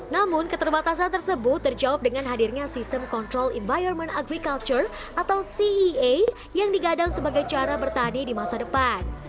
namun keterbatasan tersebut terjawab dengan hadirnya sistem kontrol environment agriculture atau cea yang digadang sebagai cara bertani di masa depan